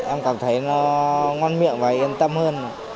em cảm thấy nó ngoan miệng và yên tâm hơn